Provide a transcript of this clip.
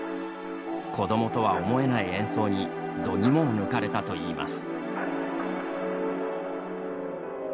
子どもとは思えない演奏にどぎもを抜かれたといいます。